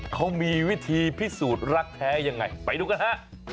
เขามีวิธีพิสูจน์รักแท้ยังไงไปดูกันฮะ